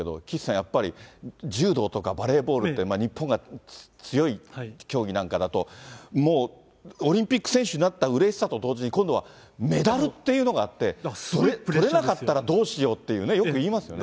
やっぱり、柔道とかバレーボールって、日本が強い競技なんかだと、もうオリンピック選手になったうれしさと同時に、今度はメダルっていうのがあって、今度はとれなかったらどうしようっていうね、よく言いますもんね。